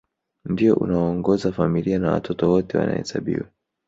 Ndio unaoongoza familia na watoto wote wanahesabiwa